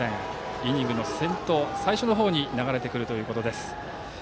イニングの先頭、最初の方に流れてくるということです。